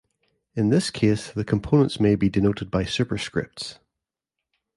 In this case, the components may be denoted by superscripts.